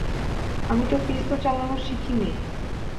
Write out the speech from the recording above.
আমি তো পিস্তল চালানোই শিখি নি!